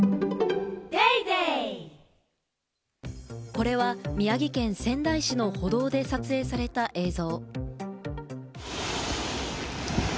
これは宮城県仙台市の歩道で撮影された映像。